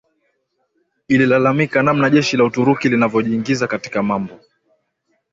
ililalamika namna jeshi la Uturuki linavojiingiza katika mambo